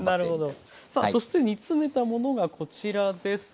さあそして煮詰めたものがこちらです。